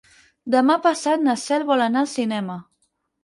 Demà passat na Cel vol anar al cinema.